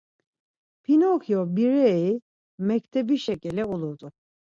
Pinokyo bireri meǩtebişe ǩele ulurt̆u.